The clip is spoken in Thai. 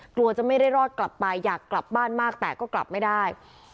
กลัวจะไม่ได้รอดกลับไปอยากกลับบ้านมากแต่ก็กลับไม่ได้